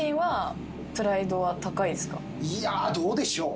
いやどうでしょう。